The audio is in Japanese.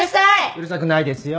うるさくないですよ。